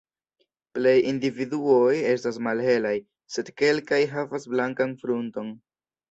Plej individuoj estas malhelaj, sed kelkaj havas blankan frunton.